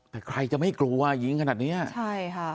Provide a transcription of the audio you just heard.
แต่ใครจะไม่กลัวยิงขนาดเนี้ยใช่ค่ะ